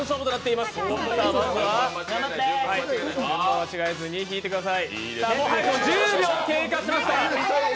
まずは間違えずに引いてください。